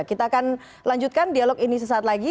kita akan lanjutkan dialog ini sesaat lagi